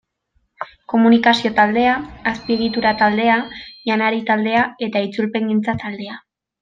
Komunikazio taldea, Azpiegitura taldea, Janari taldea eta Itzulpengintza taldea.